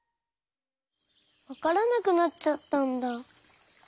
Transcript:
わからなくなっちゃったんだ。